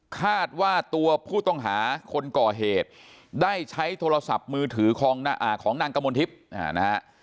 คาดว่าตัวผู้ต้องหาคนก่อเหตุได้ใช้โทรศัพท์มือถือของนางกมลทิพย์นะฮะ